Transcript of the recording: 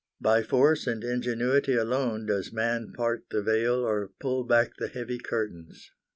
By force and ingenuity alone does man part the veil or pull back the heavy curtains.